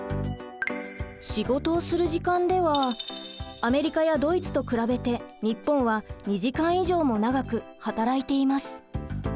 仕事をする時間ではアメリカやドイツと比べて日本は２時間以上も長く働いています。